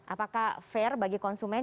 apakah fair bagi konsumen